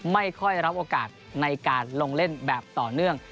ไม่ค่อยรับโอกาสในการลงเล่นแบบต่อเนื่อง